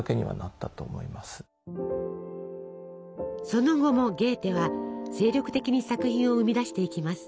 その後もゲーテは精力的に作品を生み出していきます。